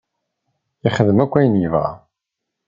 Yexdem akk ayen yebɣa.